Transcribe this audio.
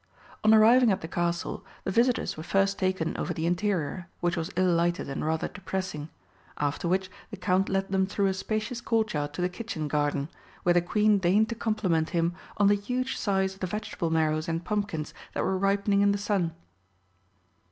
On arriving at the Castle the visitors were first taken over the interior, which was ill lighted and rather depressing, after which the Count led them through a spacious courtyard to the kitchen garden, where the Queen deigned to compliment him on the huge size of the vegetable marrows and pumpkins that were ripening in the sun.